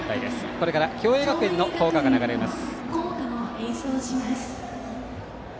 これから共栄学園の校歌が流れます。